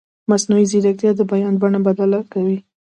مصنوعي ځیرکتیا د بیان بڼه بدله کوي.